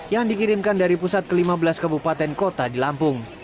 yang dikirimkan dari pusat ke lima belas kabupaten kota di lampung